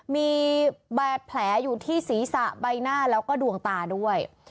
มีบาดแผลอยู่ที่ศีรษะใบหน้าแล้วก็ดวงตาด้วย